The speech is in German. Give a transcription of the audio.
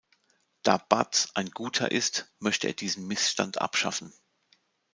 Da Baz ein „Guter“ ist, möchte er diesen Missstand abschaffen.